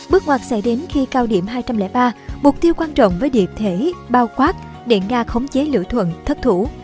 bước ngoặt sẽ đến khi cao điểm hai trăm linh ba mục tiêu quan trọng với điệp thể bao quát để nga khống chế lựa thuận thất thủ